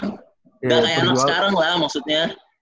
gak kayak sekarang lah maksudnya